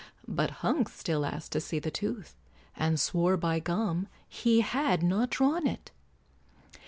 But Hunks still asked to see the tooth, And swore by gum! he had not drawn it.